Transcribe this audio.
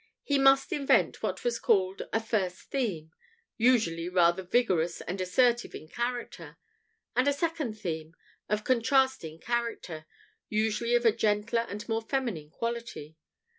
He must invent what was called a "first theme," usually rather vigorous and assertive in character, and a "second theme," of contrasting character usually of a gentler and more feminine quality.